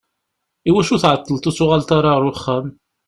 Iwacu tεeṭṭleḍ ur d-tuɣaleḍ ara ɣer uxxam?